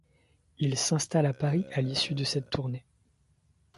Il s’installe à Paris à l’issue de cette tournée.